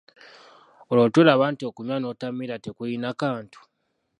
Olwo tolaba nti okunywa n'otamiira tekulina kantu ?